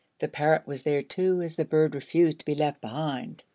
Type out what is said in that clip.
The parrot was there, too, as the bird refused to be left behind.